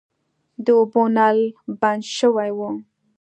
د اوبو نل بند شوی و.